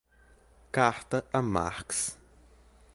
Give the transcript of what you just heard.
Carta a Marx